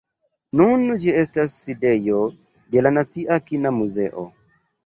Nun ĝi estas sidejo de la nacia kina muzeo.